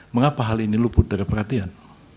mengapa hal ini luput dari perhatian